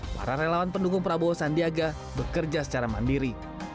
para relawan pendukung prabowo sandiaga bekerja secara mandiri